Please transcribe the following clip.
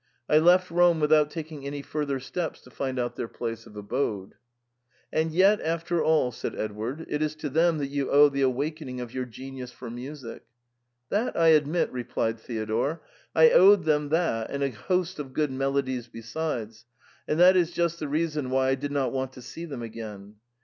I left Rome without taking any further steps to find out their place of abode." " And yet, after all," said Edward, " it is to them that you owe the awakening of your genius for music." " That I admit," replied Theodore, " I owed them that and a host of good melodies besides, and that is just the reason why I did not want to see them again.